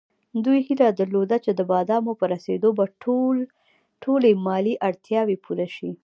دوی هیله درلوده چې د بادامو په رسېدو به ټولې مالي اړتیاوې پوره شي.